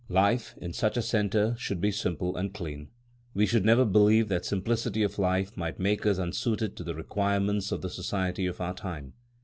Life, in such a centre, should be simple and clean. We should never believe that simplicity of life might make us unsuited to the requirements of the society of our time.